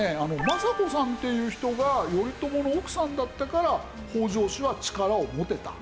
政子さんっていう人が頼朝の奥さんだったから北条氏は力を持てた。